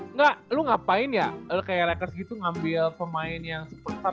enggak lu ngapain ya lu kayak lakers gitu ngambil pemain yang superstar